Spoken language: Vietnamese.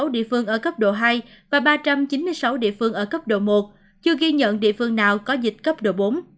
một trăm một mươi sáu địa phương ở cấp độ hai và ba trăm chín mươi sáu địa phương ở cấp độ một chưa ghi nhận địa phương nào có dịch cấp độ bốn